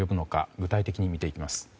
具体的に見ていきます。